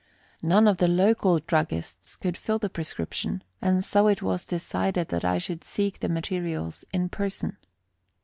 None of the local druggists could fill the prescription, and so it was decided that I should seek the materials in person.